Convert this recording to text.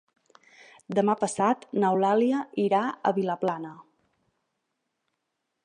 Demà passat n'Eulàlia irà a Vilaplana.